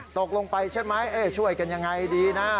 ตกลงไปใช่ไหมช่วยกันยังไงดีนะ